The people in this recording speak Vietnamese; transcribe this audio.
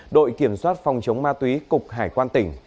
đội kiểm soát phòng chống ma túy cục hải quan tỉnh